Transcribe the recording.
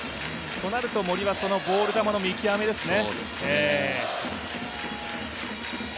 となると森は、そのボール球の見極めですね。